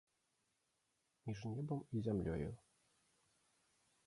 Між небам і зямлёю.